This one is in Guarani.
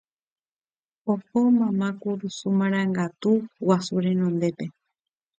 oho mama kurusu marangatu guasu renondépe